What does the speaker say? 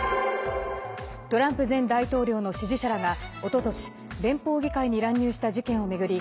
トランプ前大統領の支持者らが、おととし連邦議会に乱入した事件を巡り